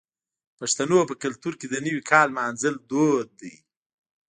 د پښتنو په کلتور کې د نوي کال لمانځل دود دی.